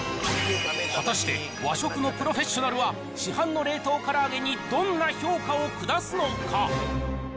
果たして和食のプロフェッショナルは市販の冷凍から揚げに、どんな評価を下すのか。